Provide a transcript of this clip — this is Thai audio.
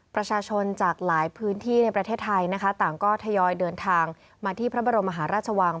ประชาชนจากหลายพื้นที่ในประเทศไทยนะคะต่างก็ทยอยเดินทางมาที่พระบรมมหาราชวัง